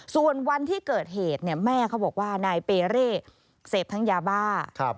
ส่วนวันที่เกิดเหตุแม่เขาบอกว่านายเปเร่เสพทั้งยาบ้า